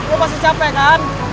lo pasti capek kan